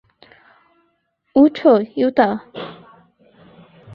ওঠো, ইউতা!